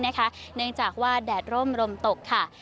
เนื่องจากว่าแดดร่มลมตกค่ะ